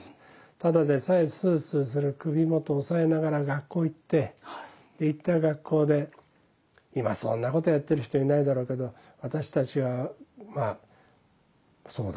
ただでさえスースーする首元を押さえながら学校へ行って行った学校で今そんなことをやっている人はいないだろうけど私たちはまあそうだ。